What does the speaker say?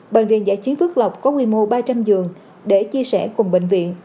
bệnh viện giả chiến phước lộc có nguyên mô ba trăm linh giường để chia sẻ cùng bệnh viện